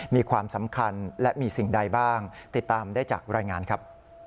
มีความสำคัญและมีสิ่งใดบ้างติดตามได้จากรายงานครับ